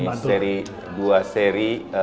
jadi ini dua seri